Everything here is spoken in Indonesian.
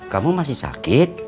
kamu masih sakit